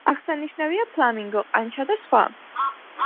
აღსანიშნავია ფლამინგო, ყანჩა და სხვა.